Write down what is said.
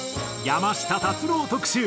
山下達郎特集！